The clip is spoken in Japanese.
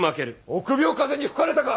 臆病風に吹かれたか！